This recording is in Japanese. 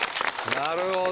なるほど。